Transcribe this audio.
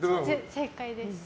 正解です。